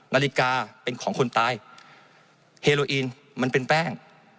นาฬิกาเป็นของคนตายเฮโรอีนมันเป็นแป้ง